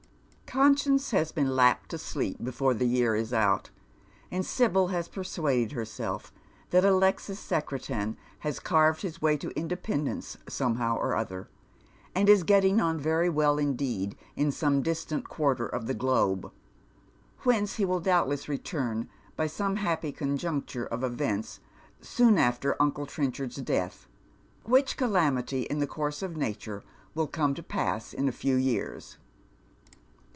Conscience has been lapped to sleep before the year is out, and Sibyl has persuaded herself that Alexis Secretan has carved his way to independence somehow or other, and is getting on very Weil indeed in some distant quarter of the globe, whence he wall doubtless return by some happy conjuncture of events soon after uncie Treuchard's death, which calamity in the course of nature will come to pass in a few years.